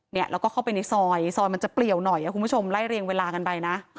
เนี่ยแล้วก็เข้าไปในซอยซอยมันจะเปลี่ยวหน่อยคุณผู้ชมไล่เรียงเวลากันไปนะ